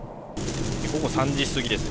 午後３時過ぎです。